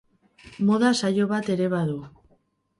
Moda saio bat ere badu.